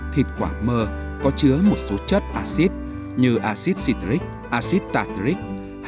thịt quả mơ có chứa một số chất acid như acid citric acid tartric